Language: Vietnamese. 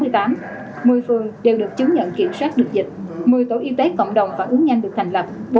một mươi phường đều được chứng nhận kiểm soát được dịch một mươi tổ y tế cộng đồng và ứng nhanh được thành lập